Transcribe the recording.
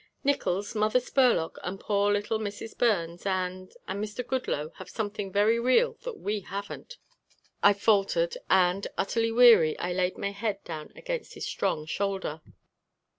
"Nickols, Mother Spurlock and poor little Mrs. Burns and and Mr. Goodloe have something very real that we haven't," I faltered and, utterly weary, I laid my head down against his strong shoulder.